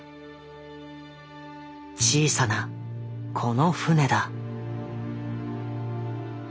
小さなこの船だ。